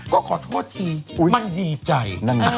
ก็ขอโทษทีมันดีใจ